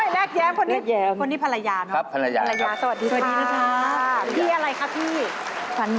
เวลาเล่นมันต้องมีพลาด